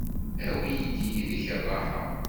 Awi-yi-d yid-k ṛṛaḥa.